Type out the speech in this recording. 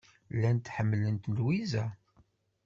Llant ḥemmlent Lwiza.